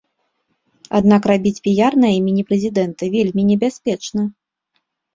Аднак рабіць піяр на імені прэзідэнта вельмі небяспечна.